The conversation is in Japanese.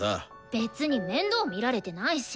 別に面倒見られてないし！